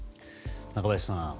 中林さん